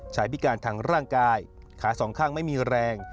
พิการทางร่างกายขาสองข้างไม่มีแรง